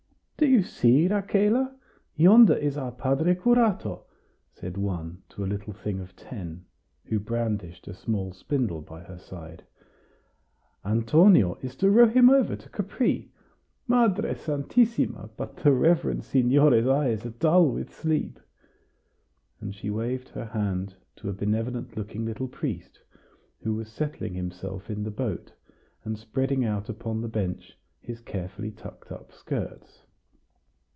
"Do you see, Rachela? yonder is our padre curato," said one to a little thing of ten, who brandished a small spindle by her side; "Antonio is to row him over to Capri. Madre Santissima! but the reverend signore's eyes are dull with sleep!" and she waved her hand to a benevolent looking little priest, who was settling himself in the boat, and spreading out upon the bench his carefully tucked up skirts.